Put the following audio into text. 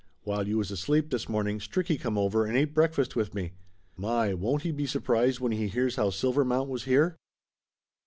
While you was asleep this morning Stricky come over and ate breakfast with me. My! Won't he be surprised when he hears how Sil vermount was here